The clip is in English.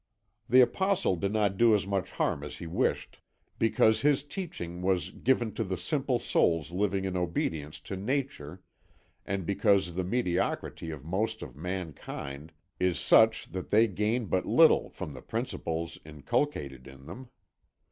"The apostle did not do as much harm as he wished, because his teaching was given to the simple souls living in obedience to Nature, and because the mediocrity of most of mankind is such that they gain but little from the principles inculcated in them.